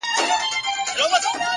وخت د حقیقت تر ټولو وفادار شاهد دی!.